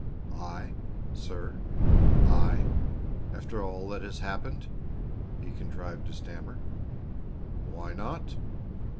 "I, sir! I? After all that has happened?" he contrived to stammer. "Why not?"